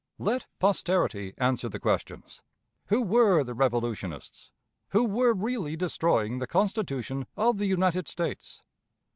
Let posterity answer the questions: Who were the revolutionists? Who were really destroying the Constitution of the United States?